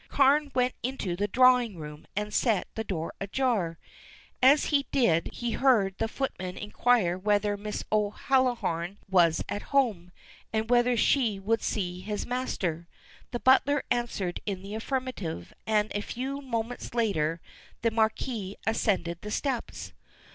Carne went into the drawing room and set the door ajar. As he did so he heard the footman inquire whether Mrs. O'Halloran was at home, and whether she would see his master. The butler answered in the affirmative, and a few moments later the Marquis ascended the steps.